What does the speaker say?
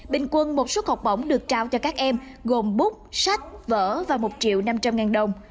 bình quân một suất học bổng được trao cho các em gồm bút sách vở và một triệu năm trăm linh ngàn đồng